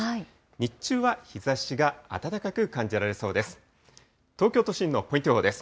日中は日ざしが暖かく感じられそうです。